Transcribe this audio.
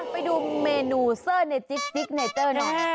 ไปดูเมนูเซอร์เนธชิคดีกรณ์เทอร์